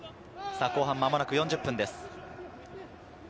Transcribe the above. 後半間もなく４０分です。